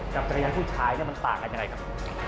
กับจักรยานผู้ชายมันแตกต่างกันอย่างไรครับ